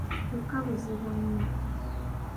Kyokka buzibu nnyo.